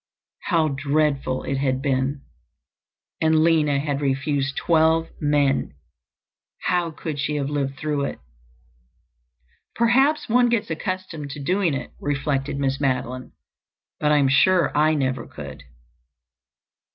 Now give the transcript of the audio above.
How dreadful it had been! And Lina had refused twelve men! How could she have lived through it? "Perhaps one gets accustomed to doing it," reflected Miss Madeline. "But I am sure I never could."